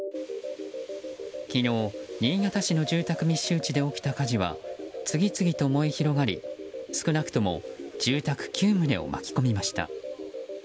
昨日、新潟市の住宅密集地で起きた火事は次々と燃え広がり、少なくとも住宅９棟を巻き込みました。